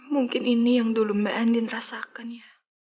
mungkin ini yang dulu mbak andin rasakan ya